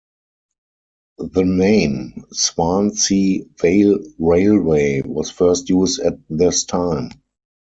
The name "Swansea Vale Railway" was first used at this time.